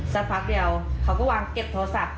สักพักเดียวเขาก็วางเก็บโทรศัพท์